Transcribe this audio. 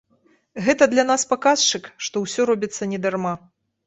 Гэта для нас паказчык, што ўсё робіцца не дарма.